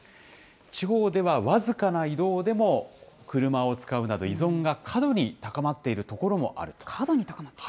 地方では僅かな移動でも車を使うなど、依存が過度に高まっている過度に高まっている？